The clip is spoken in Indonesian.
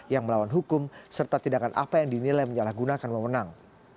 yang melawan hukum serta tindakan apa yang dinilai menyalahgunakan memenang